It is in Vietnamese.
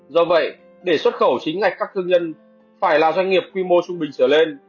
do vậy để xuất khẩu chính ngạch các thương nhân phải là doanh nghiệp quy mô trung bình trở lên